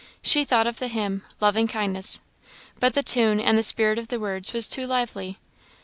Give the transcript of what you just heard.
She thought of the hymn, "Loving Kindness;" but the tune, and the spirit of the words was too lively.